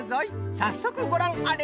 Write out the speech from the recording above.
さっそくごらんあれ！